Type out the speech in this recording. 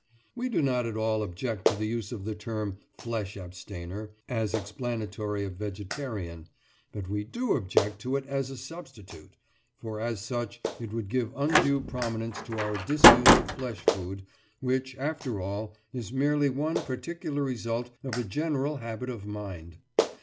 We do not at all object to the use of the term "flesh abstainer" as explanatory of "vegetarian," but we do object to it as a substitute, for as such it would give undue prominence to our disuse of flesh food, which, after all, is merely one particular result of a general habit of mind.